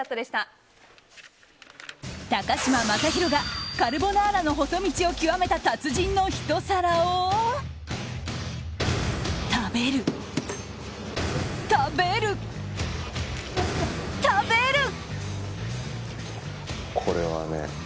高嶋政宏がカルボナーラの細道を極めた達人のひと皿を食べる食べる、食べる！